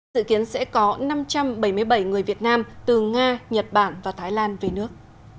dự kiến sẽ có năm trăm bảy mươi bảy người việt nam từ nga nhật bản và thái lan về nước